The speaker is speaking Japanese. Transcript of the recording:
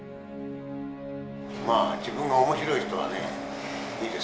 自分が面白い人はねいいですけどね。